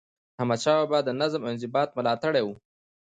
احمدشاه بابا د نظم او انضباط ملاتړی و.